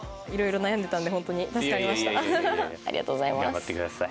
頑張って下さい。